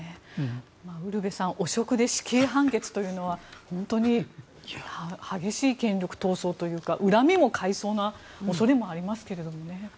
ウルヴェさん汚職で死刑判決というのは本当に激しい権力闘争というか恨みを買う恐れもありそうですけどね。